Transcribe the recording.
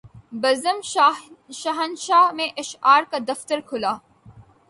بزم شاہنشاہ میں اشعار کا دفتر کھلا